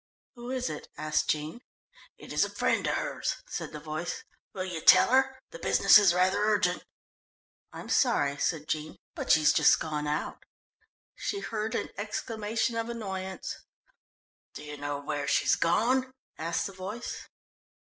"Who is it?" asked Jean. "It is a friend of hers," said the voice. "Will you tell her? The business is rather urgent." "I'm sorry," said Jean, "but she's just gone out." She heard an exclamation of annoyance. "Do you know where she's gone?" asked the voice.